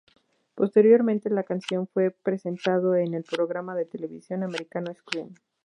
Posteriormente, la canción fue presentado en el programa de televisión americano Scream.